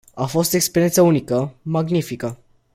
A fost o experiență unică, magnifică.